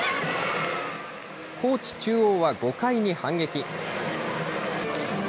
高知中央は５回に反撃。